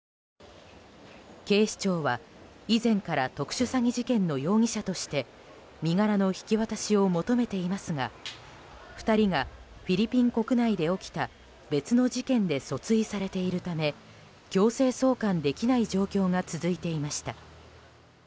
警視庁は、以前から特殊詐欺事件の容疑者として身柄の引き渡しを求めていますが２人がフィリピン国内で起きた別の事件で訴追されているため強制送還できない状況が続いていました。